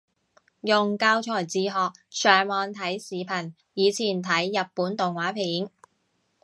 用教材自學，上網睇視頻，以前睇日本動畫片